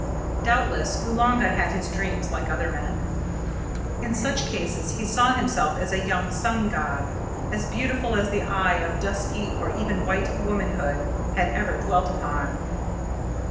Doubtless Oolanga had his dreams like other men. In such cases he saw himself as a young sun god, as beautiful as the eye of dusky or even white womanhood had ever dwelt upon.